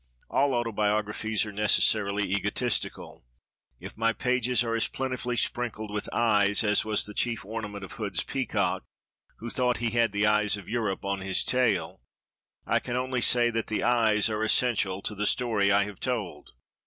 All autobiographies are necessarily egotistical. If my pages are as plentifully sprinkled with "I's" as was the chief ornament of Hood's peacock, "who thought he had the eyes of Europe on his tail," I can only say, that the "I's" are essential to the story I have told.